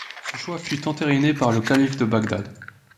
Ce choix fut entériné par le calife de Bagdad.